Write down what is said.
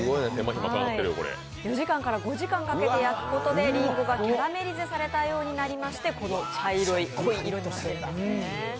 ４時間から５時間かけて焼くことで、りんごがキャラメリゼされたようになってこの茶色い濃い色になっているんですね。